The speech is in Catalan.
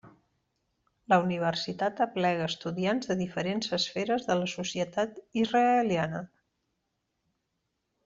La Universitat aplega estudiants de diferents esferes de la societat israeliana.